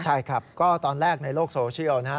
ใช่ครับก็ตอนแรกในโลกโซเชียลนะฮะ